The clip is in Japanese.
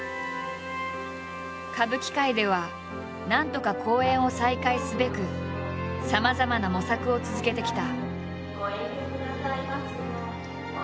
歌舞伎界ではなんとか公演を再開すべくさまざまな模索を続けてきた。